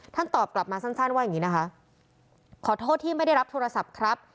ตอบกลับมาสั้นว่าอย่างนี้นะคะขอโทษที่ไม่ได้รับโทรศัพท์ครับ